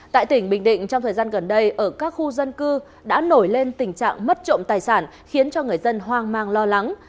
tại tỉnh bình định trong thời gian gần đây ở các khu dân cư đã nổi lên tình trạng mất trộm tài sản khiến cho người dân hoang mang lo lắng